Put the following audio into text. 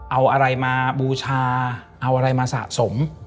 เอาอะไรมาบูชาเอาอะไรมาสะสม